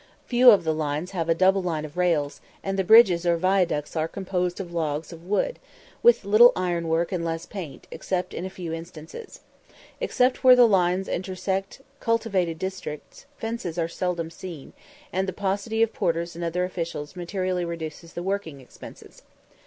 Few of the lines have a double line of rails, and the bridges or viaducts are composed of logs of wood, with little ironwork and less paint, except in a few instances. Except where the lines intersect cultivated districts, fences are seldom seen, and the paucity of porters and other officials materially reduces the working expenses.